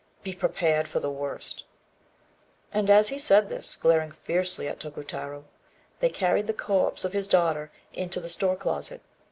Be prepared for the worst." And as he said this, glaring fiercely at Tokutarô, they carried the corpse of his daughter into the store closet.